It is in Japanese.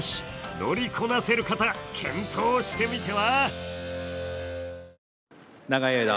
乗りこなせる方、検討してみては？